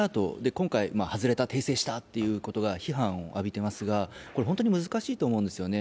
今回、外れた、訂正したということが批判を浴びてますが本当に難しいと思うんですよね。